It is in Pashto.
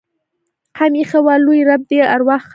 هم ایښي وه. لوى رب دې ارواح ښاده لري.